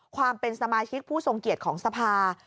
ความเป็นสมาชิกผู้ทรงเกียรติของสภา